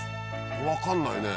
分かんないねぇ。